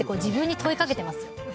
自分に問いかけてますよ。